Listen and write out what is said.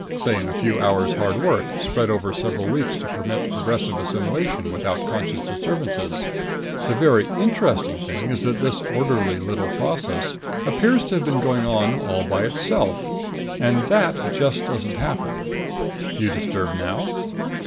Say in a few hours' hard work, spread over several weeks to permit progressive assimilation without conscious disturbances. The very interesting thing is that this orderly little process appears to have been going on all by itself. And that just doesn't happen. You disturbed now?"